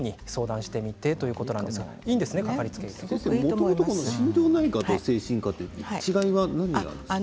もともと心療内科と精神科の違いは何ですか？